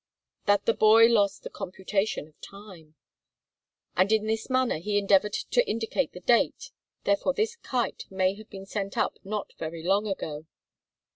"That the boy lost the computation of time." "And in this manner he endeavored to indicate the date, therefore this kite may have been sent up not very long ago."